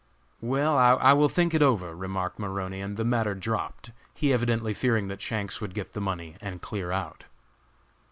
"Well, I will think it over," remarked Maroney; and the matter dropped, he evidently fearing that Shanks would get the money and clear out.